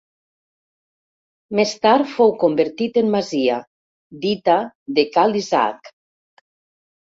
Més tard fou convertit en masia, dita de Ca l'Isaac.